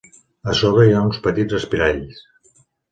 A sobre hi ha uns petits respiralls.